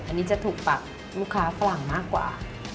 อันนี้จะถูกปากลูกค้าฝรั่งมากกว่า